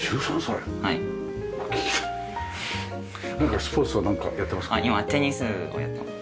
スポーツはなんかやってますか？